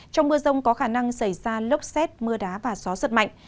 trong mưa rông có khả năng xảy ra lốc xét mưa đá và gió giật mạnh